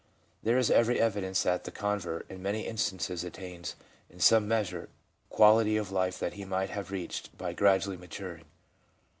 There is every evidence that the convert, in many instances, attains, in some measure, the quality of life that he might have reached by gradually maturing.